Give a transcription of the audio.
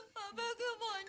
papa kemana sih